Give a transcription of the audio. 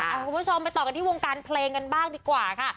คุณผู้ชมไปต่อกันที่วงการเพลงกันบ้างดีกว่าค่ะ